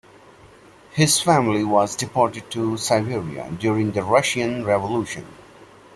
His family was deported to Siberia during the Russian Revolution.